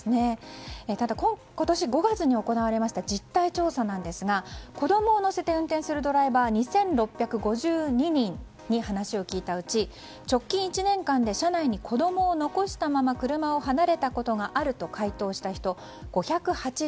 ただ今年５月に行われました実態調査なんですが子供を乗せて運転するドライバー２６５２人に話を聞いたうち直近１年間で車内に子供を残したまま車を離れたことがあると回答した人は５８３人。